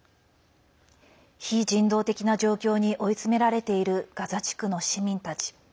非人道的な状況に追い詰められているガザ地区の市民たち。